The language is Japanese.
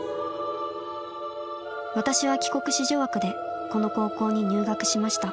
「私は帰国子女枠でこの高校に入学しました。